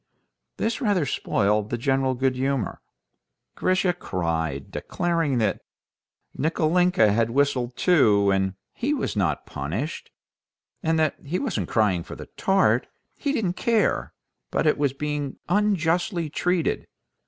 This rather spoiled the general good humor. Grisha cried, declaring that Nikolinka had whistled too, and he was not punished, and that he wasn't crying for the tart—he didn't care—but at being unjustly treated.